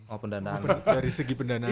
oh pendanaan dari segi pendanaan